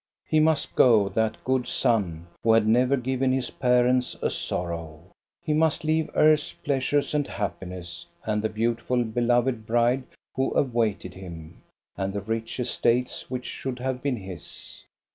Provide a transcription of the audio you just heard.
He must go, that good son who had never given his parents a sorrow. He must leave earth's pleas ures and happiness, and the beautiful, beloved bride who awaited him, and the rich estates which should have been his.